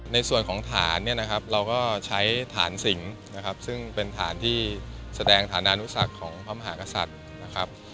ในส่วนของฐานเนี่ยนะครับเราก็ใช้ฐานสิงนะครับซึ่งเป็นฐานที่แสดงฐานานุสักของพระมหากษัตริย์นะครับ